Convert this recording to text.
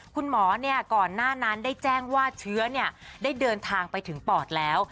คุณหมอก่อนหน้านั้นได้แจ้งว่าเชื้อได้เดินทางไปถึงปอดแล้ว